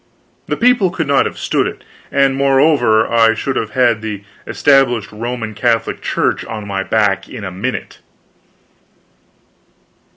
The people could not have stood it; and, moreover, I should have had the Established Roman Catholic Church on my back in a minute.